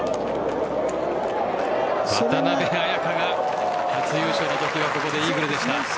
渡邉彩香が初優勝のときはここでイーグルでした。